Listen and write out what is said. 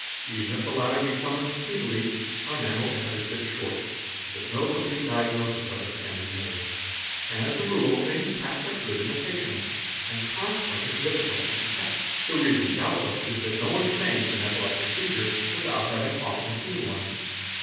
Even if the latter be summoned speedily, our man will cut his fit short, so that no complete diagnosis of it can be made. As a rule, feigned attacks are good imita tions and consequently difficult to detect. The reason doubtless is that ' no one feigns an epileptic seizure without having often seen one.